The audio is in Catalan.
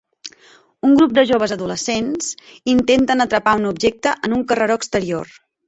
Un grup de joves adolescents intenten atrapar un objecte en un carreró exterior.